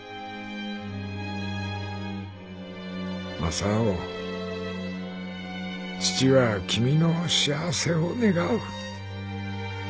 「雅夫父は君の幸せを願う」。